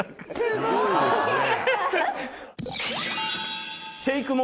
すごいですね！